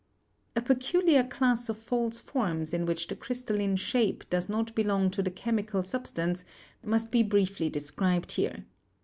A peculiar class of false forms, in which the crystal line shape does not belong to the chemical substance, must be briefly described here.